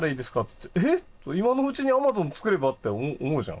って「えっ今のうちにアマゾン作れば？」って思うじゃん。